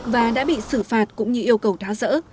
và đã bị xử phạt cũng như yêu cầu tháo rỡ